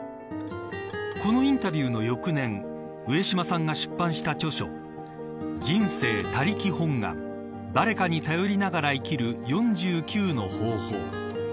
このインタビューの翌年上島さんを出版した著書人生他力本願誰かに頼りながら生きる４９の方法。